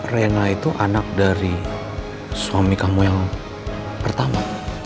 rena itu anak dari suami kamu yang pertama